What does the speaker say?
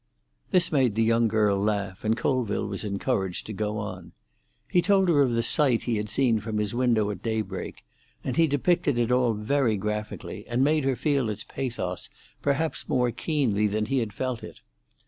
This made the young girl laugh, and Colville was encouraged to go on. He told her of the sight he had seen from his window at daybreak, and he depicted it all very graphically, and made her feel its pathos perhaps more keenly than he had felt it.